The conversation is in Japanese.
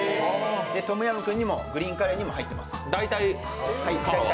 トムヤムクンにもグリーンカレーにも入ってます。